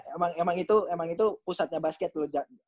karena emang itu pusatnya basket loh